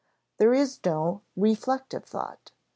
There is no reflective thought.